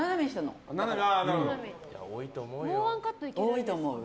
多いと思うよ。